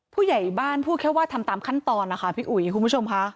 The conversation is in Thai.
ผู้ใหญ่บ้านพูดแค่ว่าทำตามขั้นตอนนะคะพี่อุ๋ยคุณผู้ชมค่ะ